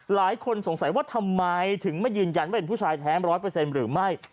หลายคนสงสัยว่าทำไมถึงไม่ยืนยันว่าเป็นผู้ชายแท้๑๐๐หรือไม่